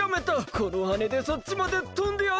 このはねでそっちまでとんでやる！